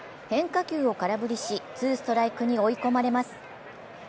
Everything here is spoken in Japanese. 変化球を空振りしツーストライクに追い込まれます。